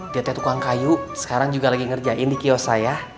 dia teh tukang kayu sekarang juga lagi ngerjain di kiosah ya